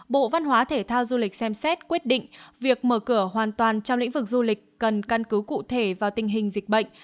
bộ văn hóa thể thao du lịch xem xét quyết định việc mở cửa hoàn toàn trong lĩnh vực du lịch cần căn cứ cụ thể vào tình hình dịch bệnh